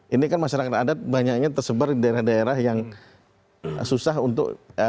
ini kan masyarakat adat banyaknya tersebar di daerah daerah yang susah untuk